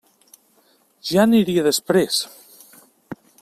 Ja aniria després!